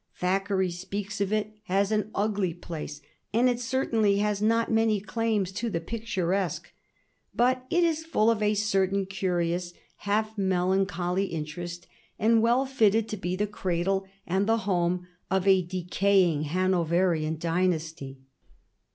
Thackeray speaks of it as an ugly place, and it certainly has not many claims to the pic turesque. But it is full of a certain curious half melancholy interest, and well fitted to be the cradle and the home of a decaying Hanoverian dynasty.